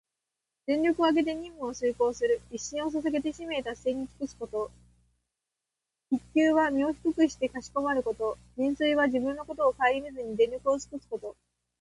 全力をあげて任務を遂行する、一身を捧げて使命達成に尽くすこと。「鞠躬」は身を低くしてかしこまること。「尽瘁」は自分のことをかえりみずに、全力をつくすこと。